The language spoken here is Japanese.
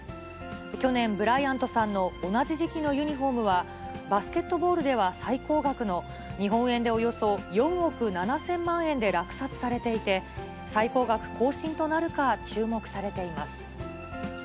去年、ブライアントさんの同じ時期のユニホームは、バスケットボールでは最高額の、日本円でおよそ４億７０００万円で落札されていて、最高額更新となるか、注目されています。